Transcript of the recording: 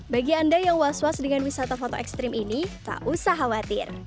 bagi anda yang was was dengan wisata foto ekstrim ini tak usah khawatir